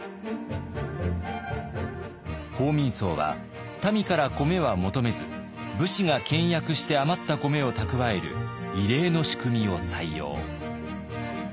報民倉は民から米は求めず武士が倹約して余った米を蓄える異例の仕組みを採用。